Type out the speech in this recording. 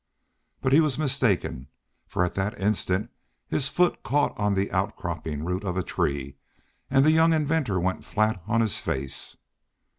But he was mistaken, for at that instant his foot caught on the outcropping root of a tree, and the young inventor went flat on his face.